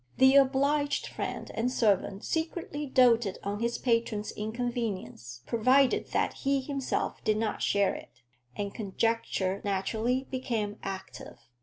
The obliged friend and servant secretly doted on his patron's inconvenience, provided that he himself did not share it; and conjecture naturally became active.